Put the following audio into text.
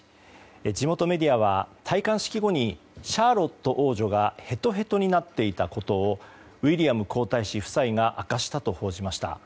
地元メディアは戴冠式後にシャーロット王女がへとへとになっていたことをウィリアム皇太子夫妻が明かしたと報じました。